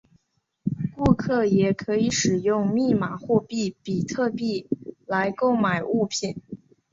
顾客也可以使用密码货币比特币来购买物品。